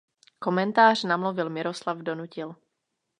Komentář namluvil Miroslav Donutil.